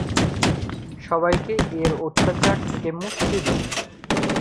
সবাইকে এর অত্যাচার থেকে মুক্তি দিন।